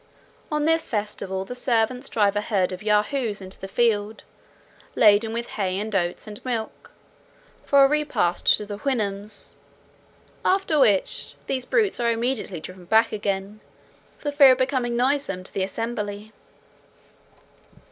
On this festival, the servants drive a herd of Yahoos into the field, laden with hay, and oats, and milk, for a repast to the Houyhnhnms; after which, these brutes are immediately driven back again, for fear of being noisome to the assembly.